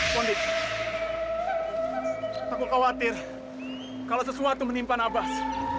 kondisi aku khawatir kalau sesuatu menimpa nabas